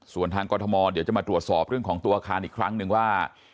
ส่วนทางกรทมเดี๋ยวจะมาตรวจสอบเรื่องของตัวอาคารอีกครั้งหนึ่งว่า